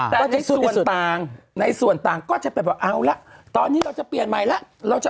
รับอยู่สูงตังค์ในส่วนต่างก็จะไปอ้าวแหละตอนนี้ก็จะเปลี่ยนมาแล้วเราจะ